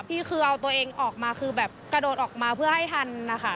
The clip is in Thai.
พี่คือเอาตัวเองออกมาคือแบบกระโดดออกมาเพื่อให้ทันนะคะ